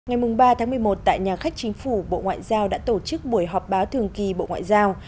ngày ba tháng một mươi một tại nhà khách chính phủ bộ ngoại giao đã tổ chức buổi họp báo thường kỳ bộ ngoại giao